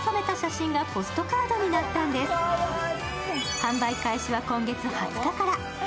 販売開始は今月２０日から。